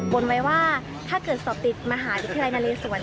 บนไว้ว่าถ้าเกิดสอบติดมหาวิทยาลัยนาเลสวน